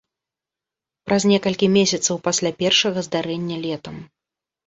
Праз некалькі месяцаў пасля першага здарэння летам.